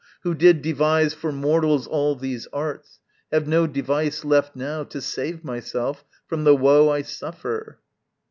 Who did devise for mortals all these arts, Have no device left now to save myself From the woe I suffer.